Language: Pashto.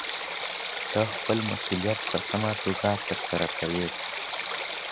ته خپل مسؤليت په سمه توګه ترسره کوي.